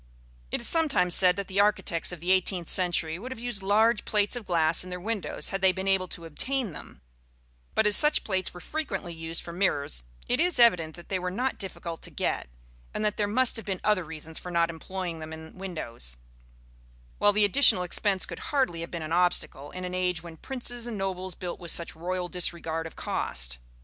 It is sometimes said that the architects of the eighteenth century would have used large plates of glass in their windows had they been able to obtain them; but as such plates were frequently used for mirrors, it is evident that they were not difficult to get, and that there must have been other reasons for not employing them in windows; while the additional expense could hardly have been an obstacle in an age when princes and nobles built with such royal disregard of cost.